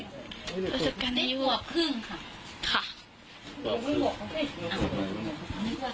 รถสัดกันอายุเท่าไหร่